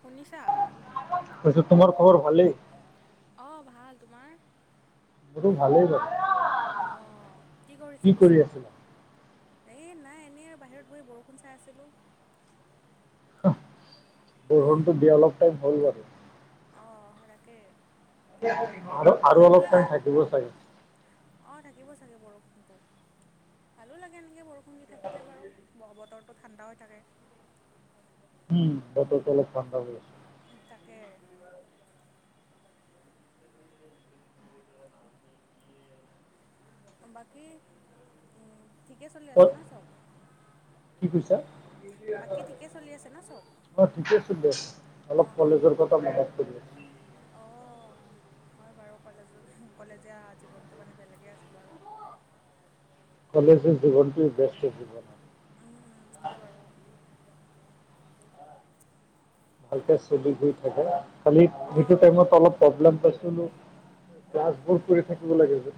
শুনিছা? পৈছোঁ, তোমাৰ খবৰ ভালেই? অ', ভাল তোমাৰ? মোৰো ভালেই দিয়া। অ', কি কৰিছা কৰি পিছে? আছিলা এই নাই এনেই বাহিৰত গৈ বৰষুণ চাই আছিলোঁ। উম, বৰষুণটো দিয়া অলপ টাইম হ'ল বাৰু। অঁ তাকে। আৰু আৰু অলপ টাইম থাকিব চাগে। অ', থাকিব চাগে বৰষুণ টো ভালো লাগে এনেকে বৰষুণ দি থাকিলে বাৰু, বতৰটো ঠাণ্ডা হৈ থাকে। [unintelligible] উম, বতৰটো অলপ ঠাণ্ডা হৈ আছে। তাকে। বাকী, ঠিকে চলি ক'ত আছে ন' চব? কি কৈছা? বাকী ঠিকে চলি আছে ন' চব? অ ঠিকে চলি আছে অ অলপ অ'। কলেজৰ কথা মনত পৰি আছে অঁ, হয় বাৰু কলেজত কলেজীয়া জীৱন সেইটো মানে বেলেগে আছিলোঁ বাৰু। কলেজৰ জীৱনটো ব্যস্ত জীৱন। উম উম, হয় বাৰু। ভালকে চলি ফুৰি থাকে খালী সেইটো অঁ টাইমত অলপ প্ৰব্লেম পাইছিলোঁ, ক্লাছ বোৰ কৰি থাকিব লাগে যে।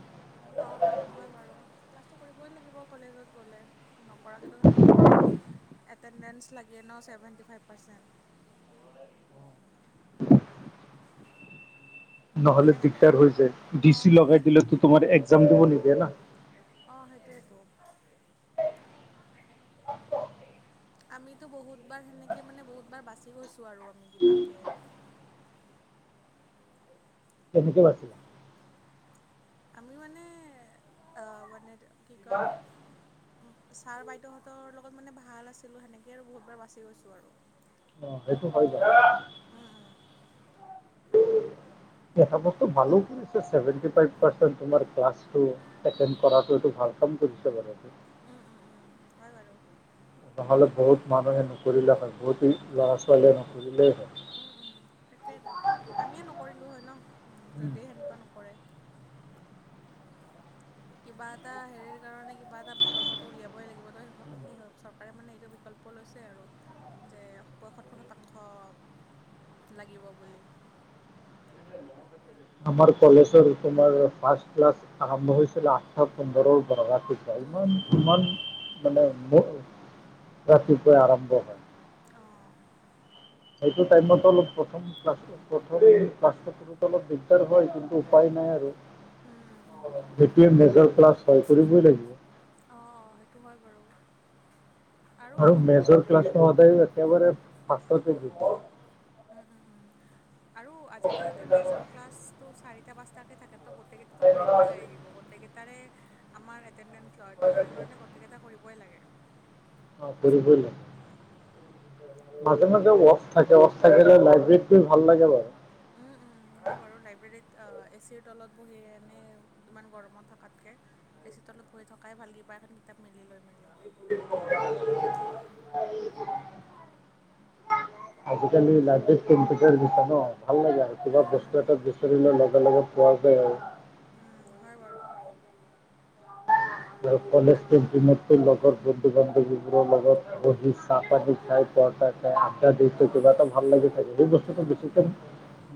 অহ', অহ' হয়, বাৰু। ক্লাছটো কৰিবই লাগিব কলেজত গ'লে। নকৰাকেটো থাকিব নোৱাৰি, এটেণ্ডেঞ্চ লাগে ন' ছেভেণ্টি ফাইভ পাৰ্চেণ্ট। নহ'লে সেই এটেন দিগদাৰ হৈ যায়, ডি অঁ চি সেই লগাই দিলে তোমাৰ একজাম দিব নিদিয়ে না। অহ, সেইটোৱেটো। আমিতো বহুতবাৰ সেনেকে মানে বহুতবাৰ বাচি গৈছোঁ আৰু আমি কিবাকে। কেনেকৈ বাছিলা। আমি মানে অহ, মানে কি কয়। অহ, ছাৰ বাইদেউহঁতৰ লগত মানে ভাল আছিলোঁ, সেনেকে আৰু বহুতবাৰ বাচি গৈছোঁ আৰু। অ সেইটো হয় বাৰু উম এটা বস্তু ভালো কৰিছে চেৱেণ্টি ফাইভ পাৰ্চেণ্ট তোমাৰ ক্লাছটো এটেণ্ড কৰাটোতো ভাল। ভাল কৰিছে বাৰু এইটো। উম', উম', উম' হয় বাৰু। নহ'লে বহুত মানুহে নপঢ়িলে হয়, বহুত উম উম ল'ৰা-ছোৱালীয়ে নপঢ়িলেই হয়। উম', উম' সেইটোৱেটো। আমিয়ে নকৰিলোঁ হয় ন' যদি সেনেকুৱা নকৰে। কিবা এটা হেৰিৰ কাৰণে কিবা এটা বিকল্পটো উলিয়াব ই লাগিব, তহ সেই চৰকাৰে মানে এইটো বিকল্প লৈছে আৰু যে পয়সত্তৰ শতাংশ লাগিব বুলি। আমাৰ কলেজৰ তোমাৰ ফাৰ্ষ্ট ক্লাছ আৰম্ভ হৈছিল আঠটা পোন্ধৰ অহ, ৰাতিপুৱাই। উম উম উম ইমান-ইমান মানে ৰাতিপুৱাই আৰম্ভ হয়। অহ। সেইটো টাইমত অলপ প্ৰথম ক্লাছ, প্ৰথম ক্লাছটো কৰোঁতে অলপ দিগদাৰ হয় কিন্তু উপায় নাই উম উম উম আৰু ডিগ্ৰীৰ মেজৰ ক্লাছ হয় কৰিবই লাগিব। অহ, সেইটো হয় বাৰু। আৰু মেজৰ ক্লাছটো সদায় একেবাৰে ফাৰ্ষ্টতে দিয়ে। উম', উম', উম'। আৰু আজিকালিতো মেজৰ ক্লাছটো চাৰিটা পাঁচটাকে থাকে। তহ গোটেইকেইটাতো কৰিবই লাগিব। গোটেইকেইটাৰে আমাৰ এটটেণ্ডেন্স লয়, তহ সেইটো কাৰণে গোটেই কেইটা কৰিবই লাগে। অহ, কৰিবই লাগিব। মাজে-মাজে অফ থাকে, অফ থাকিলে লাইব্ৰেৰীত গৈ ভাল লাগে বাৰু। উম', উম'। হয় বাৰু লাইব্ৰেৰীত এ চিৰ তলত বহি এনেই ইমান গৰমত থকাতকে। এ চিৰ তলত পঢ়ি থকাই ভাল, কিবা এখন কিতাপ মেলি লৈ মেলি। [unintelligible] আজিকালি লাইবেৰীত কম্পিউটাৰ দিছে ন' ভাল লাগে আৰু কিবা উম, উম, বস্তু এটা উম, বিচাৰলে লগে-লগে পোৱা যায় আৰু। উম, হয় বাৰু। আৰু কলেজৰ দিনতো লগৰ বন্ধু-বান্ধৱীবোৰৰ লগত বহি চাহ পানী খাই পৰঠা খায়, আড্ডা দি, অঁ, কিবা অঁ, এটা ভাল লাগি থাকে, এই উম, বস্তুটো উম, উম। বেছিকৈ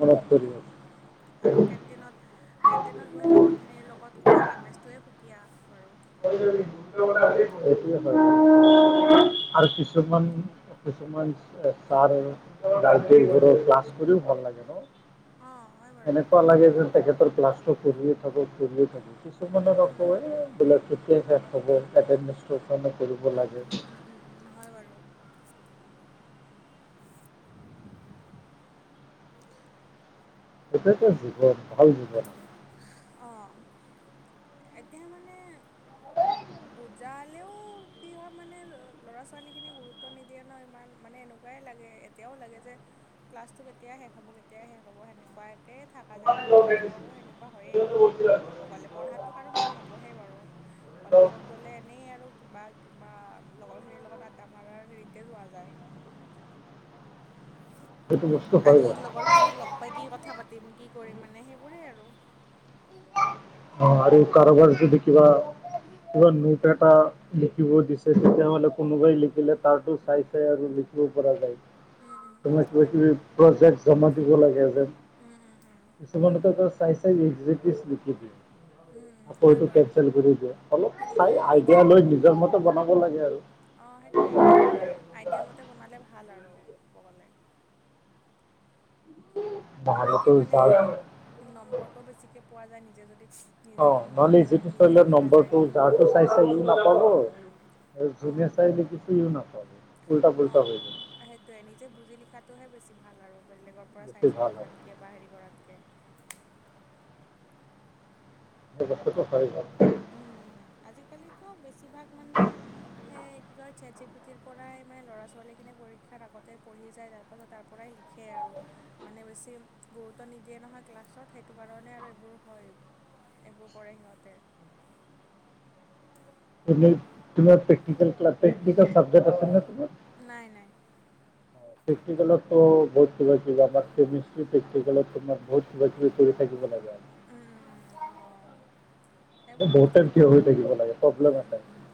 মনত পৰি থাকে। আৰু কে কেণ্টিনত কেণ্টিনত বহি লগৰখিনিৰ লগত খোৱাৰ আমেজটোৱেই সুকীয়া বাৰু। [unintelligible] সেইটোয়ে হয় উম। [unintelligible] আৰু কিছুমান কিছুমান ছাৰে [unintelligible] ক্লাছ কৰিও ভাল লাগে ন'। অঁ, হয় বাৰু এনেকুৱা লাগে যেন তেখেতৰ ক্লাছটো পঢ়িয়ে থাকো পঢ়িয়ে থাকো। কিছুমানে কওঁ উম, বোলে কেতিয় শেষ হ'ব এডমিনষ্ট্ৰেশ্যন কৰিব উম, লাগে। উম, উম, উম, উম, উম, হয় বাৰু। [unintelligible] সেইটো এটা জীৱন ভাল জীৱন। অহ, এতিয়া মানে বুজালেও কি হয় মানে ল'ৰা-ছোৱালীখিনিয়ে গুৰুত্ব নিদিয়ে ন' ইমান, মানে এনেকুৱা এনেকুৱাই লাগে, এতিয়াও লাগে যে ক্লাছটো কেতিয়াই শেষ হ'ব কেতিয়াই শেষ হ'ব সেনেকুৱাই। তাকেই থকা যায় আমাৰ এতিয়াও সেনেকুৱা হয়েই ক'ব গ'লে, পঢ়াটো কাৰো মন নবহেই বাৰু। কলেজত গ'লে এনেই আৰু কিবা-কিবা লগৰখিনিৰ লগত আড্ডা মৰাৰ হেৰিতে যোৱা যায়। সেইটো বস্তু হয় আজি বাৰু লগৰ খিনিক লগ পাই, কি কথা পাতিম কি কৰিম মানে সেইবোৰেই আৰু। অ', আৰু কাৰোবাৰ যদি কিবা কিবা নোট এটা লিখিব দিছে, তেতিয়াাহ'লে কোনোবাই লিখিলে তাৰটো চাই চাই আৰু পৰা যায়। উম, উম, উম, প্ৰেমতি ব হয় বাৰু লছে উম, উম, উম। [unintelligible] তমনো ত চাইজাইজ একগ্জিটিছ লিখি দিি [unintelligible] উম, আকৌ হয় সেইটো বাৰু কেনচেল কৰি দিয়ে, অলপ কিন্তু চাই আইডিয়া লৈ নিজৰ মতে বনাব লাগে আৰু। অ', সেইটোৱে নিজৰ আইডিয়া মতে বনালে ভাল আৰু ক'ব গ'লে। সেনেকে নহ'লেতো মানে যাৰ নম্বৰটোও বেছিকৈ পোৱা যায় নিজে যদি নিজে অ', বনোৱা ন'হলে যায় যিটো নিজে চলে [unintelligible] লিখা যায় নম্বৰটো উম, যাৰটো চাইছে ইও নাপাব আৰু অঁ যোনে চাই লিখিছে সিও নাপাব। উল্টা পুল্টা অঁ, হৈ যাব সেইটোৱে নিজে বুজি লিখাটোহে বেছি ভাল আৰু, বেলেগৰ পৰা বেছি চাই চাই ভাল হয় লিখাতকৈ। এবাৰ হেৰি কৰাতকে। বস্তুটো হয় বৰু। উম উম, আজিকালিটো বেছিভাগ মানে সেইয়া কি কয়, চেট জি পিটিৰ পৰাই মানে ল'ৰা ছোৱালীখিনি পৰীক্ষাৰ আগতে পঢ়ি যায়, তাৰপাছত তাৰ পৰাই লিখি সেয়াই আৰু। মানে বেছি গুৰুত্ব নিদিয়ে নহয ক্লাছত, সেইটো কাৰণে আৰু এইবোৰ হয়। এইবোৰ কৰে সিহঁতে। মমাৰ [unintelligible] প্ৰেটিক্ প্ৰেটিকেল চব্জে্ট আছেনে তোমাৰ নাই নাই। প্ৰেক্টিকেলতটো বহুত কিবা কিবি, আমাৰ কেমিষ্ট্ৰি প্ৰেক্টিকেলত তোমাৰ বহুত কিবা কিবি কৰি থাকিব লাগে আৰু। উম উম উম, আহ। বহুতে থিয় হৈ থাকিব লাগে, প্ৰব্লেম উম উম এটাই। উম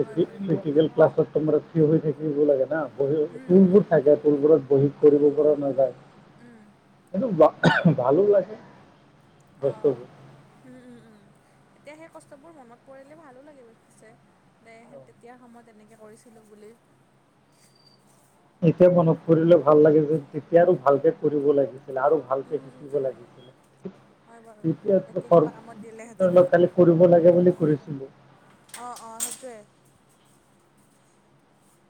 হয় বাৰু প্যেকটিকেল ক্লছত তোমাৰ বহি থাকিব লাগে না, বহি উম উম তুলবোৰ উম থাকে তুলবোৰত বহি কৰিব পৰা নাযায়। উম। এইটো ভালো লাগে। অ', বস্তুবোৰ। এতিয়া সেই কষ্টবোৰ মনত পৰিলে ভালো লাগে পিছে। নে তেতিয়া সময়ত তেনেকৈ কৰিছিলোঁ বুলি। এতিয়া মনত পৰিলে ভাল লাগি যে, তেতিয়া আৰু ভালকে কৰিব লাগিছিল আৰু উম, ভালকৈ উম, শিকিব উম, হয় বাৰু। এতিয়া কিবা কামত দিলেহেঁতেন। লাগিছিলে। কালি কৰিব লাগে বুলি কৰিছিলোঁ। অ অ', সেইটোৱে।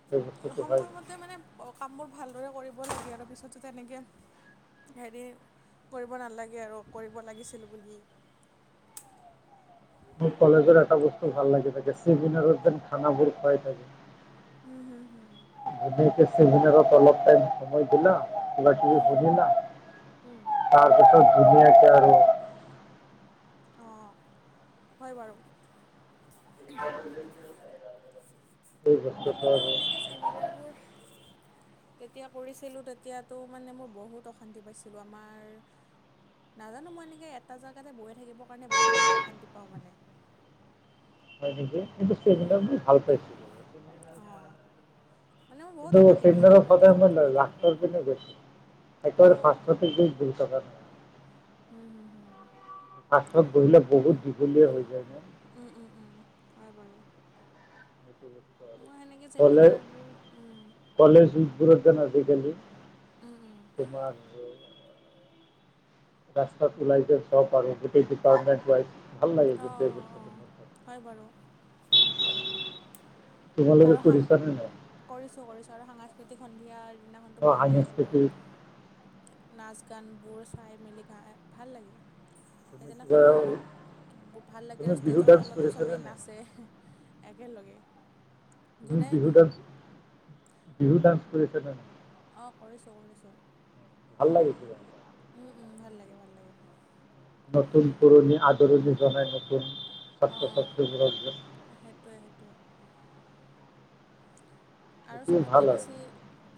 সেই বস্তুটো হয়। সময়মতে মানে কামবোৰ ভালদৰে কৰিব লাগে আৰু, পিছত যাতে এনেকে হেৰি কৰিব নালাগে আৰু কৰিব লাগিছিল বুলি। মোৰ কলেজৰ এটা বস্তু ভাল লাগি থাকে, ছেমিনাৰত যে খানাবোৰ খুৱাই থাকে। হম হুম হুম। চেমিনাৰক অলপ সময় উম, দিলা, উম, তাৰপিছত ধুনীয়াকে আৰু অঁ', হয় বাৰু। হয়। আমিটো এনেকৈ চেমিনাৰবোৰ তেতিয়া কৰিছিলোঁ তেতিয়া তোমাৰ মোৰ বহুত অশান্তি পাইছিলোঁ আমাৰ নাজানো মই এনেকৈ এটা জেগাতে বহি থাকিবৰ কাৰণে বহুত অশান্তি পাওঁ মানে। কিন্তু অ', ভাল পাইছোঁ। অঁ। কিন্তু চিডাৰৰ আৰু এটা কদায় জেগাতে ন বহি থাকিব লাক্তৰ পনে বেছি [unintelligible] একেবাৰে অঁ ফাদু কা [unintelligible] হুম হুম। [unintelligible] বহিলে বহুত দীঘলীয়া হৈ যায় ন। উম উম উম হয় বাৰু। [inaudible] মই সেনেকে কলে চেমিনাৰবোৰ উম। কলেজ উদপুৰত যে ন আজিকালি উম উম। তোমাৰ ৰাস্তাত ওলাই যে সব আৰু গোটেই ডিপাৰটমেণ্ট যায়। অ অ অ হয় বাৰু। তোমালোকে আৰু সাং কৰিছা নে নাই? কৰিছোঁ কৰিছোঁ আৰু সাংস্কৃতিক সন্ধিয়া দিনাখনতো অ ভালেই লাগিব সাংস্কৃতিক আৰু। নাচ গানবোৰ চাই মেলি গা ভাল লাগে। তুমি কিবা সেইদিনাখনটো আৰু ভাল লাগে তুমি আৰু বিহু ষ্টেজৰ ডান্স তলতো কৰিছানে সবেই নাই? নাচে। একেলগে। তুমি যোনে বিহু ডান্স, বিহু ডান্স কৰিছা নে নাই? অ কৰিছো কৰিছো। [unintelligible] উম উম ভাল লাগে ভাল লাগে। নতুন পুৰণি আদৰণি জনাই নতুন অ ছাত্ৰ ছাত্ৰীবোৰক যে সেইটোৱে সেইটোৱে। আৰু সেইটোও ভাল চবতকৈ আৰু বেছি,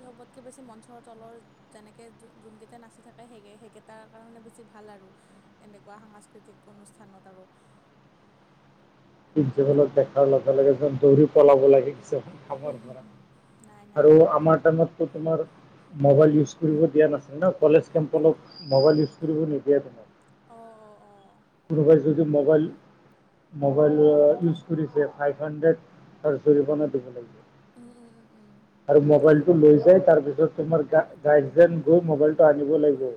চবতকৈ বেছি মঞ্চৰ তলৰ যেনেকে যোনকেইটা নাচি থাকে, সেই-সেইকেইটাৰ কাৰণে বেছি ভাল আৰু। এনেকুৱা সাংস্কৃতিক অনুষ্ঠানত আৰু। জীৱনত দেখাৰ লগে লগে যে দৌৰি পলাব লাগিছে হুম হুম হুম। আৰু আমাৰ টাইমত টো তোমাৰ মোবাইল ইউজ উম কৰিব দিয়া নাছিলে ন কলেজ কেম্পলত মোবাইল ইউজ কৰিব নিদিয়া তোমাক। অ অ অ। কোনোবাই যদি মোবাইল [unintelligible] ইউচ কৰিছে ফাইভ হাড্ৰেদ তাৰ জৰিমনা দিব উম উম উম উম লাগিব। আৰু মোবাইলটো লৈ যাই তাৰপিছত তোমাৰ গা-গাৰ্ডজেন গৈ মোবাইল টো আনিব লাগিব।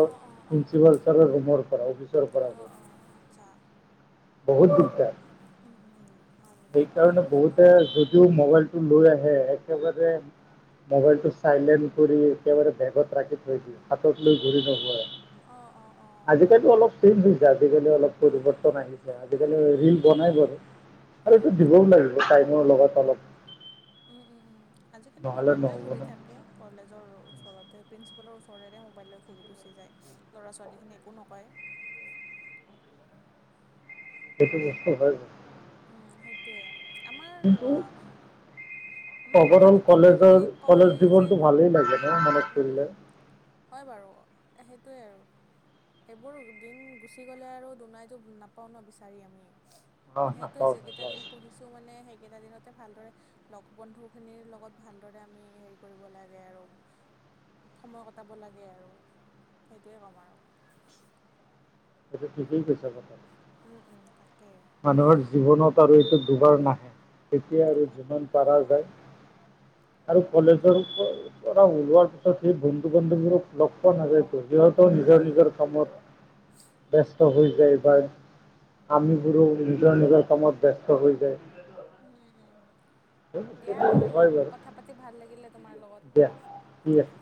অ অ অ প্ৰিঞ্চিপাল ছাৰৰ ৰুমৰ পৰা অফিচৰ পৰা গ আচ্চা। বহুত দিগদাৰ। উম উম উম। হয় নেকি অ সেইকাৰণে সেনেকুৱা বহুতে উম যদিও মোবাইলটো লৈ আহে একেবাৰে মোবাইলটো চাইলেণ্ট কৰি একেবাৰে বেগত ৰাখি থৈ দিয়ে, হাতত লৈ ঘূৰি নুফুৰে। অ অ অ আজিকালি অলপ আজিকালি অলপ পৰিৱৰ্তন আহিছে। আজিকালি ৰিল বনাই বাৰু। আৰু উম এইটো দিবও লাগিব টাইমৰ লগত অলপ উম উম উম আজিকালি নহ'লে মোবাইল লৈ নহ'ব ঘূৰি ন থাকে। কলেজৰ ওচৰতে, প্ৰিন্সিপালৰ ওচৰৰেৰে মোবাইল ললৈ ঘূৰি গুচি যায় ল'ৰা ছোৱালীখিনি একো নকয়। সেইটো বস্তু হয়। উ সেইটোৱে। আমাৰ অ আমাৰ অভাৰঅল প্ৰধান শিক্ষকে কলেজৰ খালী কলেজ কয় যে, জীৱনটো ভালেই লাগে ন মনত উম পৰিলে উম। হয় বাৰু সেইটোৱেই আৰু। এইবোৰ দিন গুচি গ'লে আৰু দুনাইটো নাপাও ন বিচাৰি আমি। অ সেইটোৱে নাপাওঁ যিকেইটা নাপাওঁ দিন পঢ়িছো মানে সেইকেইটা দিনতে ভালদৰে লগ বন্ধুখিনিৰ লগত ভালদৰে আমি হেৰি কৰিব লাগে আৰু সময় কটাব লাগে আৰু সেইটোৱে কম আৰু। এইটো ঠিকেই কৈছা [unintelligible] উম উম তাকে। মানুহৰ জীৱনত আৰু এইটো দুবাৰ নাহে। তেতিয়া আৰু যিমান পাৰা যায় অ', আৰু তাকে কলেজৰ ওলোৱাৰ পিছত সেই বন্ধু-বান্ধৱবোৰক লগ পোৱা নাযায়তো। সিহঁতও উম, নিজৰ উম, নিজৰ কামত ব্যস্ত হৈ যায় বা আমিবোৰো নিজৰ নিজৰ কামত ব্যস্ত হৈ যায়। উম উম। দিয়া নহ'লে হয় বাৰু কথা পাতি ভাল লাগিলে তোমাৰ দিয়া ঠিক লগত আছে দিয়া।